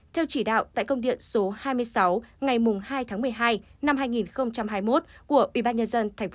theo chỉ đạo tại công điện số hai mươi sáu ngày hai tháng một mươi hai năm hai nghìn hai mươi một của ubnd tp hcm